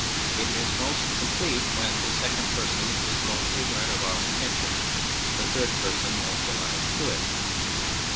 It is most complete when the second person is most ignorant of our intention, the third person most alive to it.